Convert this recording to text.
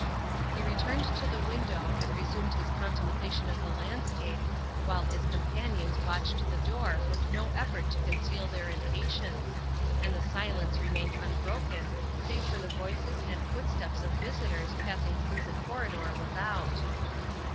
He returned to the window and resumed his contem plation of the landscape, while his companions watched the door with no effort to conceal their impatience, and the silence remained unbroken save for the voices and footsteps of visitors passing through the corridor without.